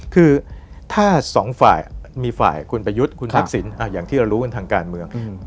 คือถ้าสองฝ่ายมีฝ่ายคุณประยุทธ์คุณทักษิณอย่างที่เรารู้กันทางการเมือง